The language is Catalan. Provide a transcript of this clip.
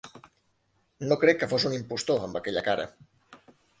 No crec que fos un impostor, amb aquella cara.